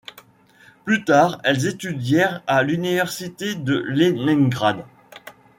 Plus tard, elles étudièrent à l'Université de Léningrad.